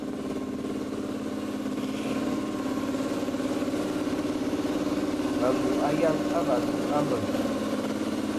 Và lu a yaŋ a va ndu a Meŋ.